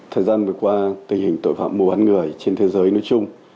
thời gian vừa qua tình hình tội phạm mua bán người trên thế giới nối chung